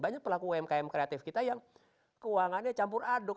banyak pelaku umkm kreatif kita yang keuangannya campur aduk